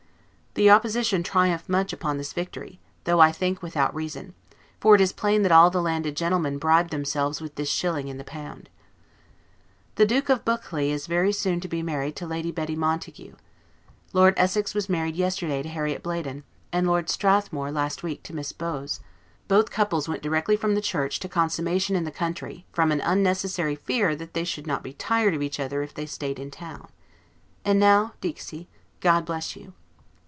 The Opposition triumph much upon this victory; though, I think, without reason; for it is plain that all the landed gentlemen bribed themselves with this shilling in the pound. The Duke of Buccleugh is very soon to be married to Lady Betty Montague. Lord Essex was married yesterday, to Harriet Bladen; and Lord Strathmore, last week, to Miss Bowes; both couples went directly from the church to consummation in the country, from an unnecessary fear that they should not be tired of each other if they stayed in town. And now 'dixi'; God bless you!